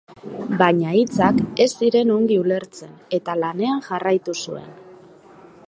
Baina hitzak ez ziren ongi ulertzen eta lanean jarraitu zuen.